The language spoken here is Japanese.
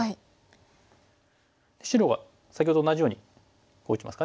白は先ほどと同じようにこう打ちますかね。